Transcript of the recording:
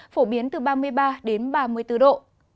phổ biến từ ba mươi ba đến ba mươi bốn độ